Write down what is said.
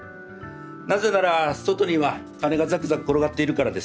なぜなら外には金がザクザク転がっているからですよ。